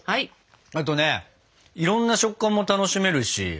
あとねいろんな食感も楽しめるし。